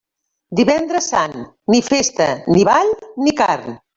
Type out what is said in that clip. Divendres sant, ni festa, ni ball, ni carn.